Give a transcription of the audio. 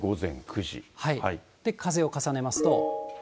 風を重ねますと。